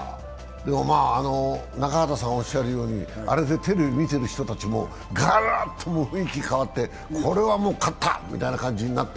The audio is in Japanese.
中畑さんがおっしゃるようにあれでテレビを見ている人もガラっと雰囲気が変わって、これはもう勝った！みたいな感じになった？